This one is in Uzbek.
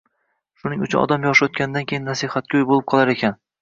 Shuning uchun odam yoshi o‘tganidan keyin nasihatgo‘y bo‘lib qolar ekan.